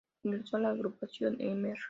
Ingresó a la agrupación Mr.